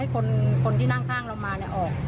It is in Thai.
ให้คนที่นั่งข้างเรานั้นมาออก